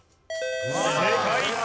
正解！